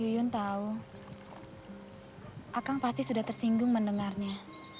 yuyun tahu akang pasti sudah tersinggung mendengarnya